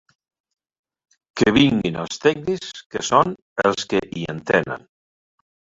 Que vinguin els tècnics, que són els que hi entenen.